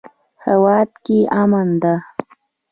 هیواد کې امن ده